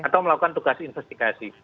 atau melakukan tugas investigasi